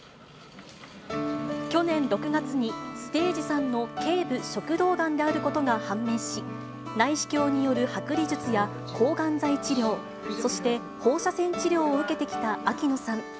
去年６月にステージ３のけい部食道がんであることが判明し、内視鏡による剥離術や、抗がん剤治療、そして放射線治療を受けてきた秋野さん。